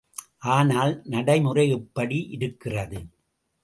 ஆனால், நடைமுறை எப்படி இருக்கிறது?